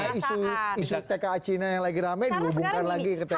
karena isu tka cina yang lagi rame dihubungkan lagi ke tka cina